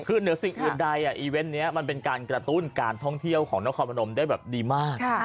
คือเหนือสิ่งอื่นใดอีเวนต์นี้มันเป็นการกระตุ้นการท่องเที่ยวของนครพนมได้แบบดีมาก